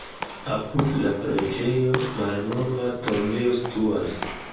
Apud la preĝejo malnova tombejo situas.